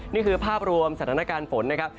นี่คือภาพรวมสถานการณ์ฝนนะครับ